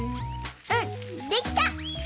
うんできた！